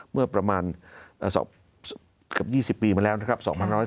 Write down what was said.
เมื่อประมาณเกือบ๒๐ปีมาแล้วนะครับ